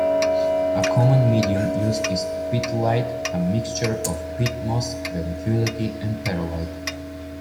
A common medium used is 'peat-lite', a mixture of peat moss, vermiculite, and perlite.